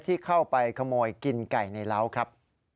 ที่เข้าไปขโมยกินไก่ในร้าวครับ